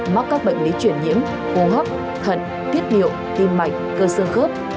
mắc các bệnh lý chuyển nhiễm hô hấp thận thiết điệu tim mạnh cơ sơ khớp